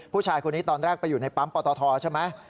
ผู้ชายคนนี้ตอนแรกไปอยู่ในปั๊มปตทใช่ไหม